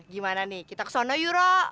gimana nih kita kesana yura